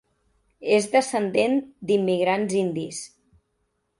És descendent d'immigrants indis.